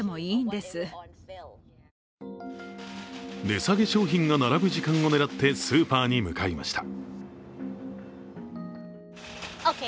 値下げ商品が並ぶ時間を狙ってスーパーに向かいました。